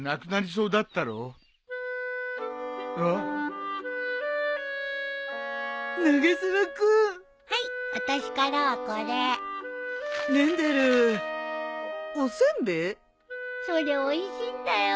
それおいしいんだよ。